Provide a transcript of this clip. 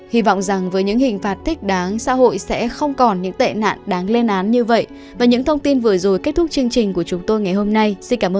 hy vọng rằng với những hình phạt thích đáng xã hội sẽ không còn những tệ nạn đáng lên án như vậy